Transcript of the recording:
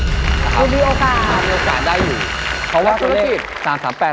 คือมีโอกาสมีโอกาสได้อยู่เพราะว่าตัวเลขสามสามแปด